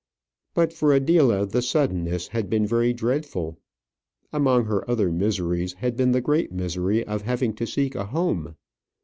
But for Adela the suddenness had been very dreadful. Among her other miseries had been the great misery of having to seek a home.